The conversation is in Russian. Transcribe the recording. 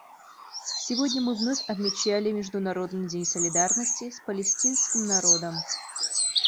Сегодня мы вновь отмечали Международный день солидарности с палестинским народом.